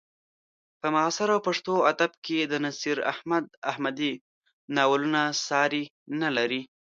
په معاصر پښتو ادب کې د نصیر احمد احمدي ناولونه ساری نه لري.